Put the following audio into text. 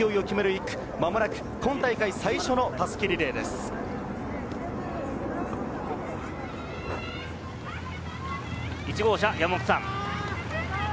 １区、まもなく今大会最初の襷リレーで１号車、山本さん。